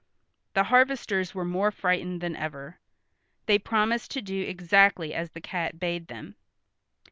The harvesters were more frightened than ever. They promised to do exactly as the cat bade them.